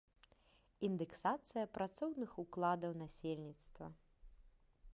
Індэксацыя працоўных укладаў насельніцтва.